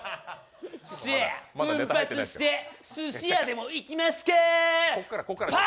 奮発して、すし屋でも行きますか。